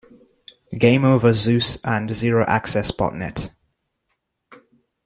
Gameover ZeuS and ZeroAccess botnet.